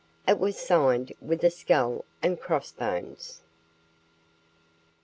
It was signed with a skull and cross bones.